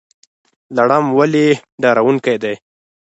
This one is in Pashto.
لړم ولې ډارونکی دی؟